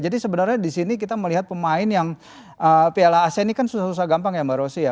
sebenarnya di sini kita melihat pemain yang piala asia ini kan susah susah gampang ya mbak rosy ya